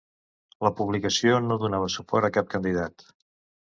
La publicació no donava suport a cap candidat.